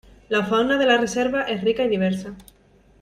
La fauna de la reserva es rica y diversa.